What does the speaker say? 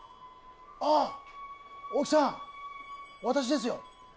ああっ、大木さん、私ですよ。